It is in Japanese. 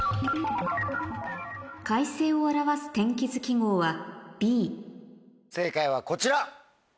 快晴を表す天気図記号は正解はこちら！